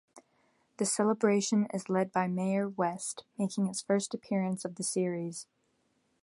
The celebration is led by Mayor West, making his first appearance of the series.